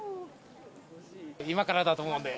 今からだと思うので。